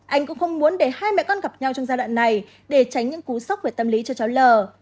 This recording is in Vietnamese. anh cũng không muốn để hai mẹ con gặp nhau trong giai đoạn này để tránh những cú sốc về tâm lý cho cháu l